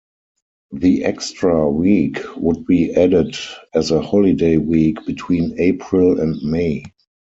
The extra week would be added as a holiday week, between April and May.